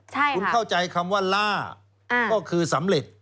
คุณเข้าใจคำว่าล่าก็คือสำเร็จ